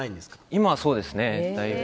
今はそうですね。